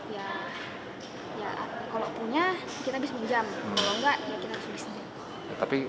ya kalau punya kita bisa menjam kalau enggak kita harus menginjam